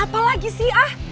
apa lagi sih ah